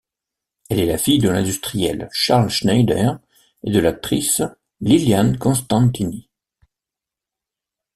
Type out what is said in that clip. Elle est la fille de l'industriel Charles Schneider et de l'actrice Lilian Constantini.